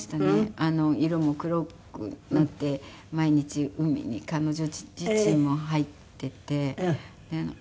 色も黒くなって毎日海に彼女自身も入っていて。